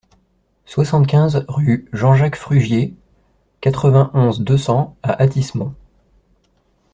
soixante-quinze rue Jean-Jacques Frugier, quatre-vingt-onze, deux cents à Athis-Mons